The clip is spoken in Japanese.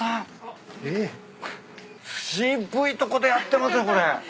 渋いとこでやってますねこれ。